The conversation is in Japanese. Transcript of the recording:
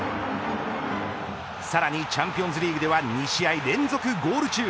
さらにチャンピオンズリーグでは２試合連続ゴール中。